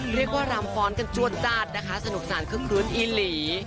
เรียกว่ารำฟ้อนกันจัวจาดนะคะสนุกสานคือคืนอีหลี